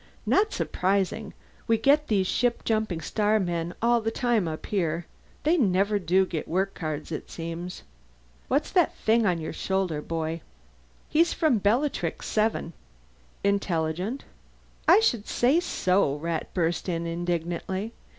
"Not surprising. We get these ship jumping starmen all the time up here; they never do get work cards, it seems. What's that thing on your shoulder, boy?" "He's from Bellatrix VII." "Intelligent?" "I should say so!" Rat burst in indignantly.